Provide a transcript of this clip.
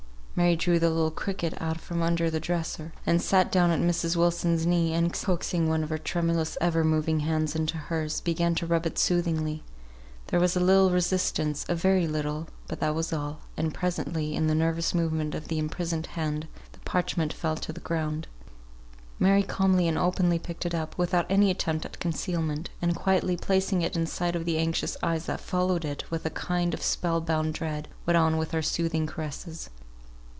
Mary drew the little "cricket" out from under the dresser, and sat down at Mrs. Wilson's knee, and, coaxing one of her tremulous, ever moving hands into hers, began to rub it soothingly; there was a little resistance a very little, but that was all; and presently, in the nervous movement of the imprisoned hand, the parchment fell to the ground. [Footnote 48 "Cricket," a stool.] Mary calmly and openly picked it up without any attempt at concealment, and quietly placing it in sight of the anxious eyes that followed it with a kind of spell bound dread, went on with her soothing caresses.